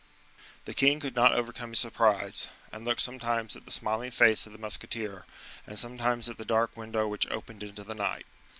The king could not overcome his surprise, and looked sometimes at the smiling face of the musketeer, and sometimes at the dark window which opened into the night.